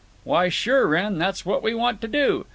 "Why, sure, Wrenn; that's what we want to do.